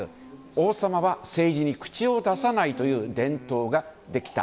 王様は政治に口を出さないという伝統ができた。